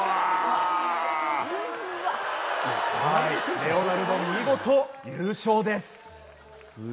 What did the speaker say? レオナルド、見事優勝です！